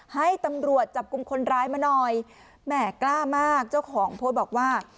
ให้ตำรวจจับกลุ่มคนร้ายมาหน่อยแหม่กล้ามากเจ้าของโพสต์บอกว่า